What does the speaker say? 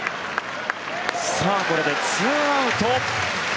さあ、これで２アウト。